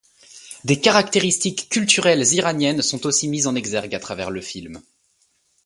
Des caractéristiques culturelles iraniennes sont aussi mises en exergue à travers le film.